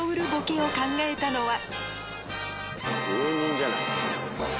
芸人じゃないな。